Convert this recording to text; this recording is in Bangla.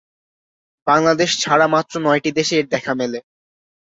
বাংলাদেশ ছাড়া মাত্র নয়টি দেশে এর দেখা মেলে।